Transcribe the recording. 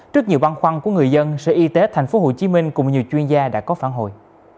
trước nhiều băn khoăn của người dân sở y tế tp hcm cùng nhiều chuyên gia đã có phản hồi